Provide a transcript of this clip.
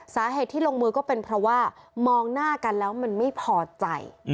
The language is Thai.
สาเหตุที่ลงมือก็เป็นเพราะว่ามองหน้ากันแล้วมันไม่พอใจ